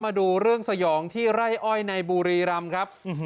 มาดูเรื่องสยองที่ไร่อ้อยในบุรีรำครับ